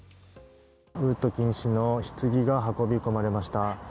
ウトキン氏のひつぎが運び込まれました。